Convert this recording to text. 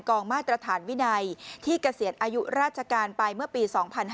มาตรฐานวินัยที่เกษียณอายุราชการไปเมื่อปี๒๕๕๙